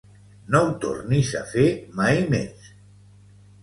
No ho tornis a fer mai més.